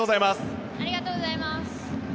ありがとうございます。